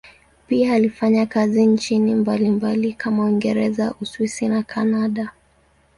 Pia alifanya kazi nchini mbalimbali kama Uingereza, Uswisi na Kanada.